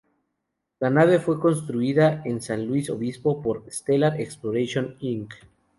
La nave fue construida en San Luis Obispo por Stellar Exploration Inc.